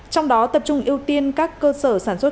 trong đó tập trung ưu tiên các cơ sở sản xuất